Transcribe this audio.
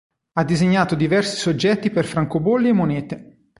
Ha disegnato diversi soggetti per francobolli e monete.